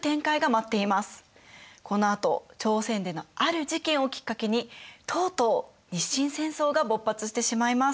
このあと朝鮮でのある事件をきっかけにとうとう日清戦争が勃発してしまいます。